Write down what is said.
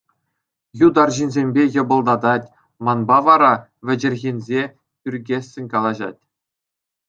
Ют арҫынсемпе йӑпӑлтатать, манпа вара вӗчӗрхенсе, тӳрккессӗн калаҫать.